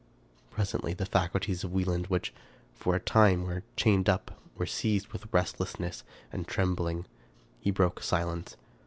Presently the faculties of Wieland, which, for a time, were chained up, were seized with restlessness and trem bling. He broke silence.